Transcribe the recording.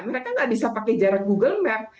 mereka nggak bisa pakai jarak google map